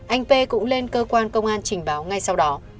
anh p cũng lên cơ quan công an trình báo ngay sau đó